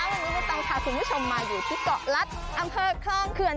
วันนี้เราจะถามคุณผู้ชมมาอยู่ที่กรรัฐอำเภอคล่องเคือน